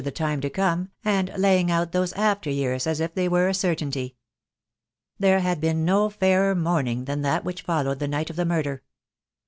the time to come, and laying out those after years as if they were a certainty. There had been no fairer morning than that which followed the night of the murder.